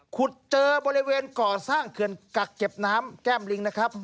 ขุดเจอบริเวณก่อสร้างเขื่อนกักเก็บน้ำแก้มลิงนะครับ